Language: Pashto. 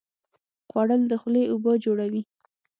خوړل د خولې اوبه جوړوي